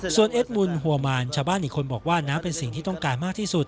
ส่วนเอ็ดมุนหัวมานชาวบ้านอีกคนบอกว่าน้ำเป็นสิ่งที่ต้องการมากที่สุด